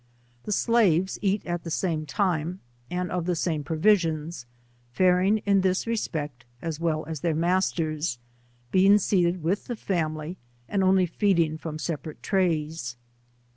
The slaves eat at the same time, and of the same provisions, fareing in this respect as well as their master?, being seated with the fa mily, and only feeding from separate trays.